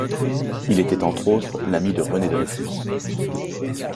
Il était entre autres l'ami de René Dreyfus.